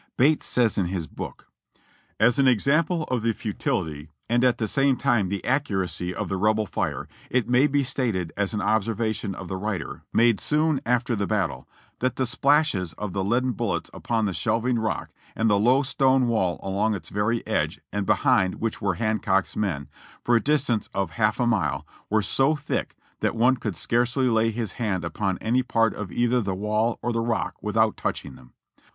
Bates says in his book (p. 161) : "As an example of the futility, and at the same time the accu racy of the Rebel fire, it may be stated as an observation of the writer made soon after the battle, that the splashes of the leaden bullets upon the shelving rock and the low stone wall along its very edge and behind which were Hancock's men, for a distance of half a mile, were so thick, that one could scarcely lay his hand upon any part of either the wall or the rock without touching them.